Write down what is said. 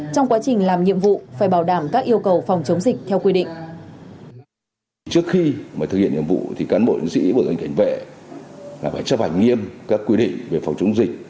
trong quá trình làm nhiệm vụ phải bảo đảm các yêu cầu phòng chống dịch theo quy định